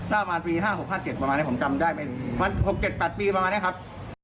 ประมาณปี๕๖๕๗ประมาณนี้ผมจำได้ไหม๖๗๘ปีประมาณนี้ครับ